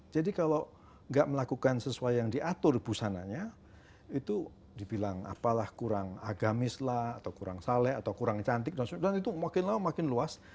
jadi kalau nggak melakukan sesuai yang diatur busananya itu dibilang apalah kurang agamis lah atau kurang saleh atau kurang cantik dan itu makin lama makin luas